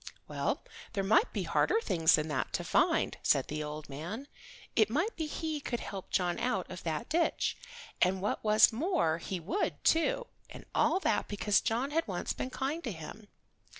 "Well, there might be harder things than that to find," said the old man. It might be he could help John out of that ditch, and what was more he would, too, and all that because John had once been kind to him.